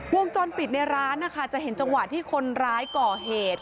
วงจรปิดในร้านนะคะจะเห็นจังหวะที่คนร้ายก่อเหตุ